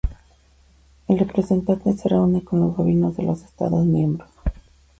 El representante se reúne con los gobiernos de los Estados miembros.